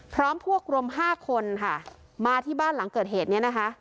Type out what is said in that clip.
พร้อมพวกรวมห้าคนค่ะมาที่บ้านหลังเกิดเหตุเนี่ยนะคะ